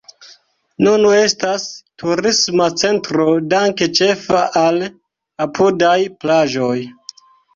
Nun estas turisma centro danke ĉefa al apudaj plaĝoj.